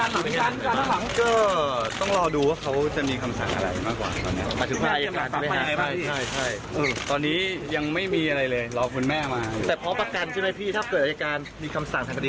แต่วันนี้มันต้องประกันก่อนนะพี่หมายความว่าถึงเต้นสู้แต่วันนี้ต้องเข้าขั้นต่อประกันตัวพี่